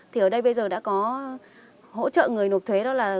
thì ở đây bây giờ đã có hỗ trợ người nộp thuế đó là